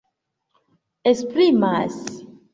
esprimas